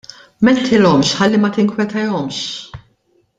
M'għedtilhomx ħalli ma tinkwetahomx!